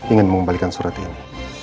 ingin mengembalikan surat ini